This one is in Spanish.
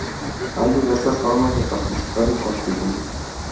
Hay diversas formas de participar y contribuir.